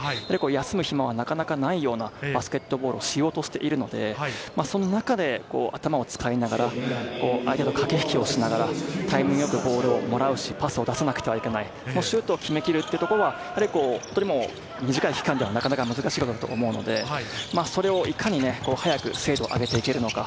休む暇はなかなかないようなバスケットボールをしようとしてるので、その中で頭を使いながら、相手と駆け引きをしながらタイミングよくボールをもらうし、パスを出さなくてはいけない、シュートを決め切るところは、本当に短い期間ではなかなか難しいことだと思うので、それをいかに早く精度を上げていけるのか。